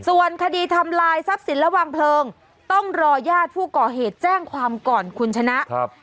ส่วนคดีทำลายทรัพย์สินและวางเพลิงต้องรอญาติผู้ก่อเหตุแจ้งความก่อนคุณชนะ